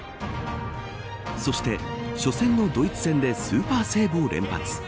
そして、初戦のドイツ戦でスーパーセーブを連発。